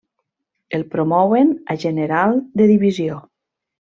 El promouen a general de divisió.